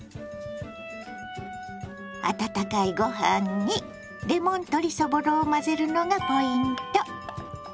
温かいご飯にレモン鶏そぼろを混ぜるのがポイント。